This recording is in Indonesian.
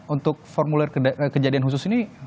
untuk formulir kejadian khusus ini